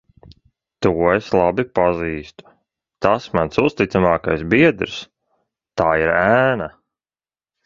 To es labi pazīstu. Tas mans uzticamākais biedrs. Tā ir ēna.